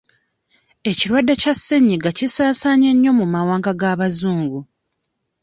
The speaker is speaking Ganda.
Ekirwadde kya ssenyiga kisaasaanye nnyo mu mawanga g'abazungu.